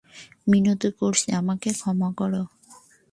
মিনতি করছি, আমাকে ক্ষমা কর।